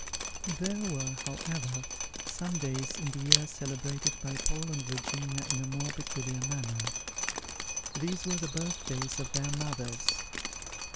There were, however, some days in the year celebrated by Paul and Virginia in a more peculiar manner; these were the birth days of their mothers.